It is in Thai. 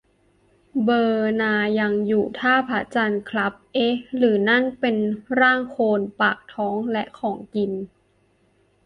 เบอร์นาร์ดยังอยู่ท่าพระจันทร์ครับ เอ๊ะ หรือนั่นเป็นร่างโคลน ! ? ปากท้องและของกิน